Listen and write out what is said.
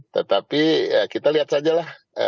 tetapi kita lihat sajalah